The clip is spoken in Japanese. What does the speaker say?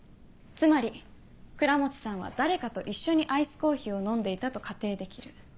つまり倉持さんは誰かと一緒にアイスコーヒーを飲んでいたと仮定できる。